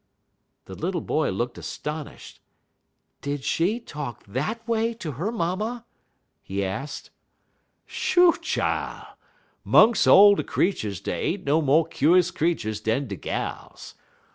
'" The little boy looked astonished. "Did she talk that way to her mamma?" he asked. "Shoo, chile! 'Mungs' all de creeturs dey ain't no mo' kuse creeturs dan de gals.